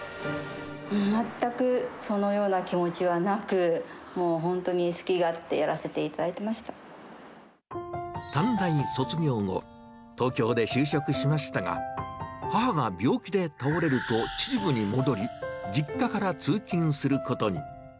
全くそのような気持ちはなく、もう本当に好き勝手やらせていただいてました。短大卒業後、東京で就職しましたが、母が病気で倒れると、秩父に戻り、実家から通勤することに。